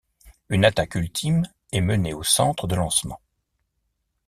Une attaque ultime est menée au centre de lancement.